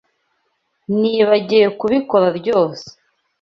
Nibagiwe kubikora ryose.